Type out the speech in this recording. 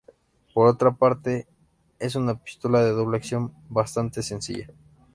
Por otra parte, es una pistola de doble acción bastante sencilla.